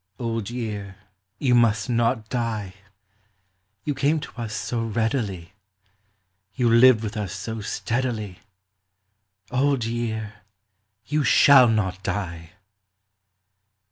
Old year, you must not die ; You came to us so readily, You lived with us so steadily, Old year, you shall not die.